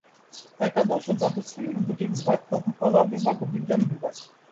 একাদশ ও দ্বাদশ শ্রেণির দুটি বিভাগ তথা কলা বিভাগ ও বিজ্ঞান বিভাগ।